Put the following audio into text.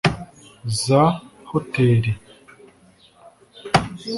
za hoteli